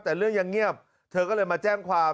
แต่เรื่องยังเงียบเธอก็เลยมาแจ้งความ